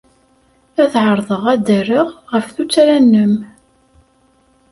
Ad ɛerḍeɣ ad d-rreɣ ɣef tuttra-nnem.